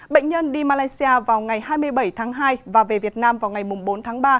bệnh nhân đi malaysia vào ngày hai mươi bảy tháng hai và về việt nam vào ngày bốn tháng ba